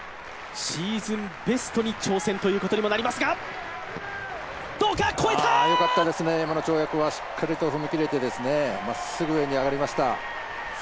シーズンベストに挑戦ということにもなりますが、よかったですね、よかったですね、今の跳躍はしっかりと踏み切れてまっすぐ上に上がりました。